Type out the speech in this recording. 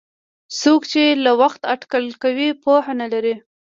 څوک چې له وخته اټکل کوي پوهه نه لري.